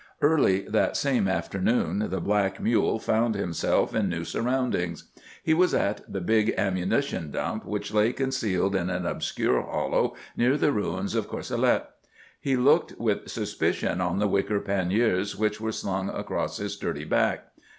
Early that same afternoon the black mule found himself in new surroundings. He was at the big ammunition dump which lay concealed in an obscure hollow near the ruins of Courcelette. He looked with suspicion on the wicker panniers which were slung across his sturdy back.